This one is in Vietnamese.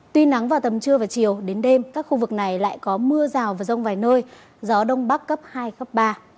tuy nắng vào tầm trưa và chiều đến đêm các khu vực này lại có mưa rào và rông vài nơi gió đông bắc cấp hai cấp ba